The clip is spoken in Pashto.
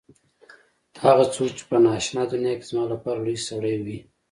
ته هغه څوک چې په نا آشنا دنیا کې زما لپاره لوى سړى وې.